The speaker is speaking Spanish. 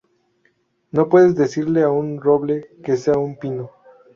No puedes decirle a un roble que sea un pino.